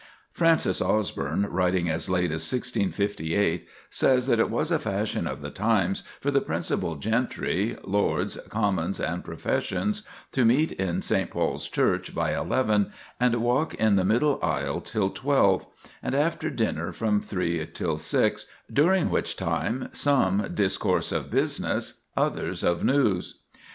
Francis Osborne, writing as late as 1658, says that it was a fashion of the times for the principal gentry, lords, commons, and professions, to meet in St. Paul's Church by eleven, and walk in the middle aisle till twelve, and after dinner from three till six, "during which time some discourse of business, others of news."